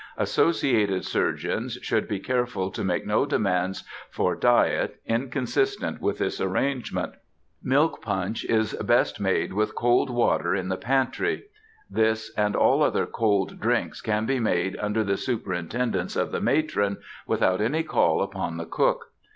Associated surgeons should be careful to make no demands for diet, inconsistent with this arrangement. Milk punch is best made with cold water in the pantry. This and all other cold drinks can be made under the superintendence of the matron, without any call upon the cook.